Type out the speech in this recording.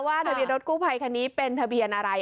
ทะเบียนรถกู้ภัยคันนี้เป็นทะเบียนอะไร